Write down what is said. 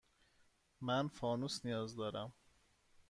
من فانوس نیاز دارم.